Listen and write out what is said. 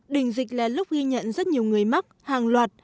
đỉnh dịch là lúc ghi nhận rất nhiều người mắc hàng loạt